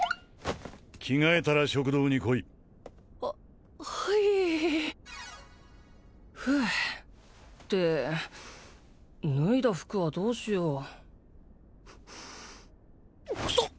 着替えたら食堂に来いははいふうって脱いだ服はどうしようクサッ！